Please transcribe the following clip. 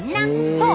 そう。